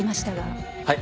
はい。